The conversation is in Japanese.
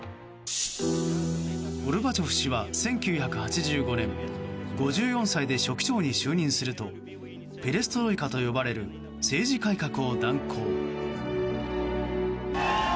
ゴルバチョフ氏は１９８５年５４歳で書記長に就任するとペレストロイカと呼ばれる政治改革を断行。